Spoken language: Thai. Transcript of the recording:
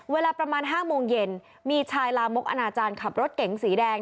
เวลาประมาณ๕โมงเย็นมีชายลามกอนาจารย์ขับรถเก๋งสีแดง